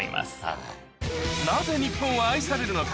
なぜ日本は愛されるのか？